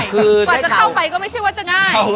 กว่าจะเข้าไปก็ไม่ใช่ว่าจะง่าย